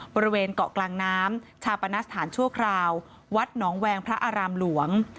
บริเวณเกาะกลางน้ำชาปนสถานชั่วคราววัดหนองแวงพระอารามหลวง